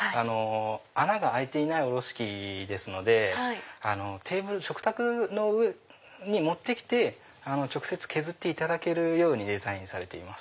穴が開いていないおろし器ですので食卓の上に持って来て直接削っていただけるようにデザインされています。